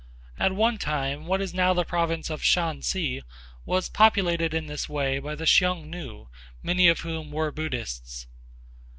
At one time what is now the province of Shansi was populated in this way by the Hsiung nu, many of whom were Buddhists.